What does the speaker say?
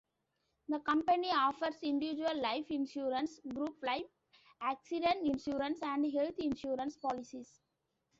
The company offers individual life insurance, group life, accident insurance, and health insurance policies.